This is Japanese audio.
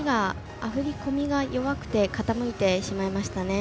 ふりこみが弱くて傾いてしまいましたね。